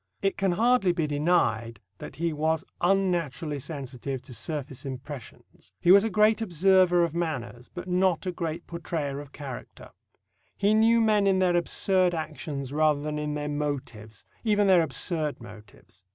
It can hardly be denied that he was unnaturally sensitive to surface impressions. He was a great observer of manners, but not a great portrayer of character. He knew men in their absurd actions rather than in their motives even their absurd motives.